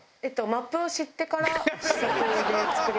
マップを知ってから試作で作り始めた。